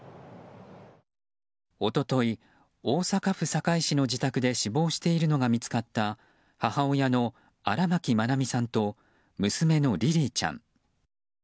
一昨日、大阪府堺市の自宅で死亡しているのが見つかった母親の荒牧愛美さんと娘のリリィちゃん。